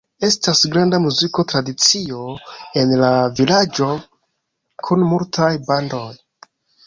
Estas granda muzika tradicio en la vilaĝo kun multaj bandoj.